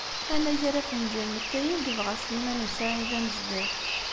Anagar afenǧal n ttay i yebɣa Sliman u Saɛid Amezdat.